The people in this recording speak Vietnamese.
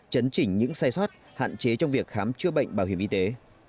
chấn chỉnh những sai sót hạn chế trong việc khám chữa bệnh bảo hiểm y tế